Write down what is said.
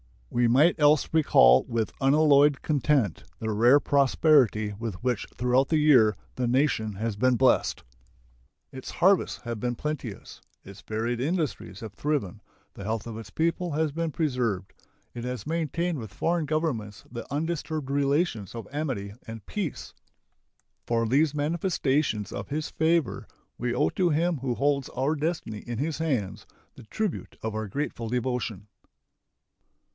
We might else recall with unalloyed content the rare prosperity with which throughout the year the nation has been blessed. Its harvests have been plenteous; its varied industries have thriven; the health of its people has been preserved; it has maintained with foreign governments the undisturbed relations of amity and peace. For these manifestations of His favor we owe to Him who holds our destiny in His hands the tribute of our grateful devotion.